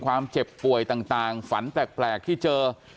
ความเจ็บป่วยต่างฝันแปลกที่เจอ